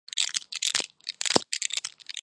那些的当中一个是库路耐尔。